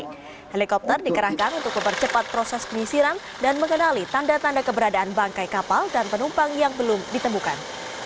helikopter dikerahkan untuk mempercepat proses penyisiran dan mengenali tanda tanda keberadaan bangkai kapal dan penumpang yang belum ditemukan